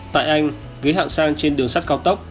tại anh ghế hạng sang trên đường sắt cao tốc